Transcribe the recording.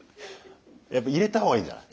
やっぱ入れた方がいいんじゃない？